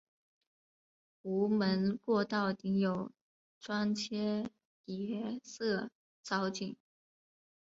壸门过道顶有砖砌叠涩藻井。